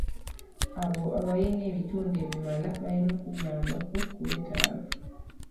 Abo abalina ebintu ebimala balina okuyambako ku betaavu.